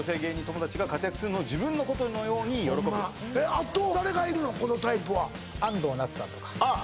あと誰がいるのこのタイプは？